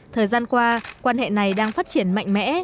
thời gian qua quan hệ này đang phát triển mạnh mẽ